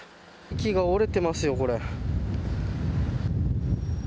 木が折れてますよ、これ。